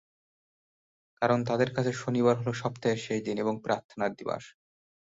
কারণ তাঁদের কাছে শনিবার হলো সপ্তাহের শেষ দিন এবং প্রার্থনা দিবস।